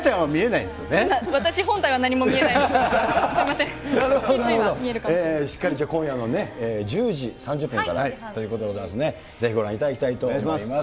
なるほど、しっかり、今夜のね、１０時３０分からということでございますね、ぜひ、ご覧いただきたいと思います。